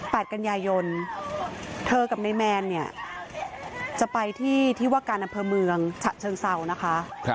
แปดกัญญายนเธอกับนายแมนจะไปที่การณ์อำเติมืองจะเชิงเศร้านะคะ